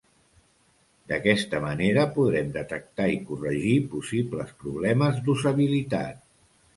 D'aquesta manera, podrem detectar i corregir possibles problemes d'usabilitat.